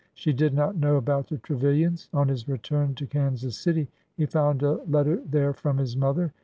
She did not know about the Trevilians. On his return to Kansas City, he found a letter there from his mother.